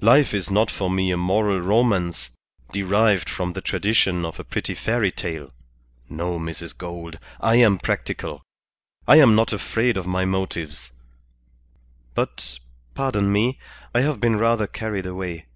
Life is not for me a moral romance derived from the tradition of a pretty fairy tale. No, Mrs. Gould; I am practical. I am not afraid of my motives. But, pardon me, I have been rather carried away.